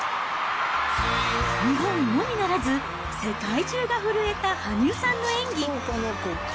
日本のみならず、世界中が震えた羽生さんの演技。